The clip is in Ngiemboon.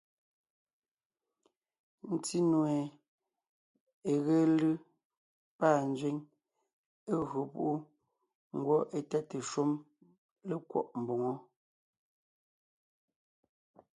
Ńtí nue é ge lʉ́ pâ nzẅíŋ, é gÿo púʼu, ngwɔ́ étáte shúm lékwɔ́ʼ mboŋó.